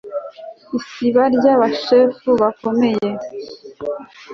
isiba ry abashefu bakomeye